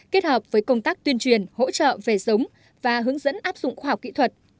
kết hợp với công tác tuyên truyền hỗ trợ về giống và hướng dẫn áp dụng khoa học kỹ thuật